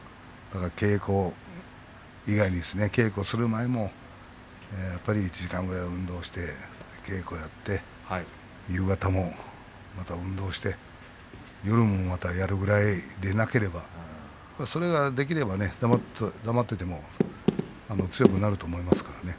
稽古以外にですね稽古をする前にも１時間くらい運動をして、稽古をやって夕方もまた運動をして夜もまたやるぐらいでなければそれができれば黙っていても強くなると思いますからね。